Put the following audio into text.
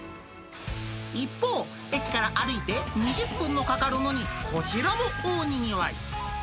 一方、駅から歩いて２０分もかかるのにこちらも大にぎわい。